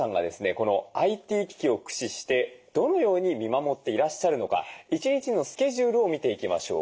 このＩＴ機器を駆使してどのように見守っていらっしゃるのか一日のスケジュールを見ていきましょう。